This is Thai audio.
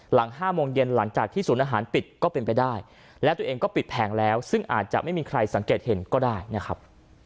๕โมงเย็นหลังจากที่ศูนย์อาหารปิดก็เป็นไปได้และตัวเองก็ปิดแผงแล้วซึ่งอาจจะไม่มีใครสังเกตเห็นก็ได้นะครับ